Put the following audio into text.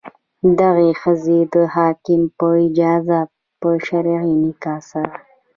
دغې ښځې د حاکم په اجازه په شرعي نکاح سره.